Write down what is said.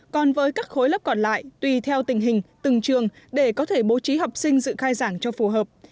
còn với các khối lớp còn lại tùy theo tình hình từng trường để có thể bố trí học sinh dự khai giảng cho phù hợp